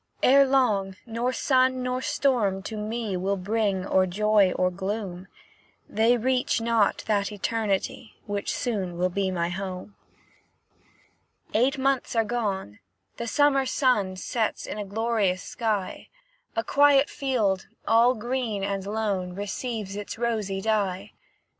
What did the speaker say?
Ere long, nor sun nor storm to me Will bring or joy or gloom; They reach not that Eternity Which soon will be my home." Eight months are gone, the summer sun Sets in a glorious sky; A quiet field, all green and lone, Receives its rosy dye.